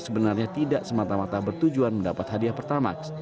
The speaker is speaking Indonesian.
sebenarnya tidak semata mata bertujuan mendapat hadiah per tamak